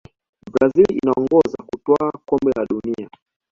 brazil inaongoza kutwaa kombe la dunia